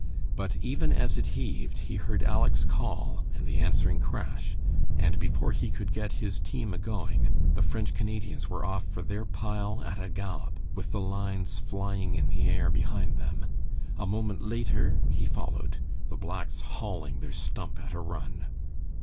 But even as it heaved, he heard Aleck's call and the answering crash, and before he could get his team a going, the French Canadians were off for their pile at a gallop, with the lines flying in the air behind them. A moment later he followed, the blacks hauling their stump at a run.